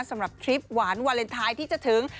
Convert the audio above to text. ทริปหวานวาเลนไทยที่จะถึง